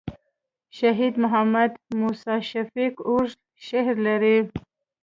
شهید محمد موسي شفیق اوږد شعر لري.